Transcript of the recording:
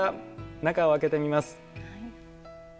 中を開けてみます。